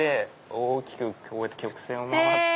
大きくこうやって曲線を回って。